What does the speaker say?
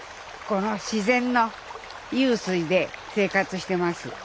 この自然の湧水で生活してます。